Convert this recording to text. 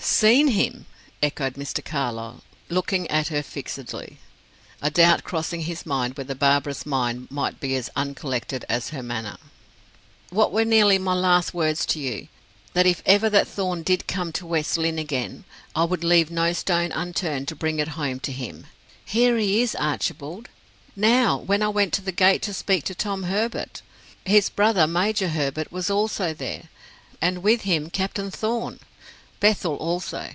"Seen him!" echoed Mr. Carlyle, looking at her fixedly, a doubt crossing his mind whether Barbara's mind might be as uncollected as her manner. "What were nearly my last words to you? That if ever that Thorn did come to West Lynne again, I would leave no stone unturned to bring it home to him. He is here, Archibald. Now, when I went to the gate to speak to Tom Herbert, his brother, Major Herbert, was also there, and with him Captain Thorn. Bethel, also.